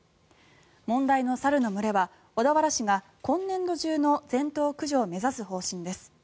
問題の猿の群れは小田原市が今年度中の全頭駆除を目指す方針です。